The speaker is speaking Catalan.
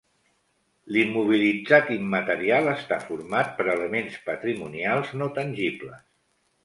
L'immobilitzat immaterial està format per elements patrimonials no tangibles.